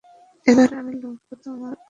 এবার আমি লড়ব তোমার অন্ধকারের সঙ্গে।